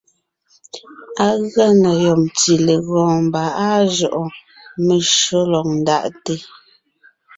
Á gʉa na yɔb ntí legɔɔn, mbà áa jʉʼɔɔn, meshÿó lɔg ńdaʼte.